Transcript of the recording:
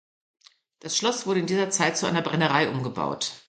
Das Schloss wurde in dieser Zeit zu einer Brennerei umgebaut.